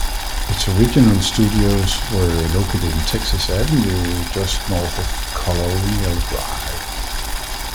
Its original studios were located on Texas Avenue, just north of Colonial Drive.